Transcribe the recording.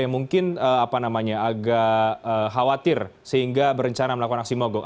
yang mungkin agak khawatir sehingga berencana melakukan aksi mogok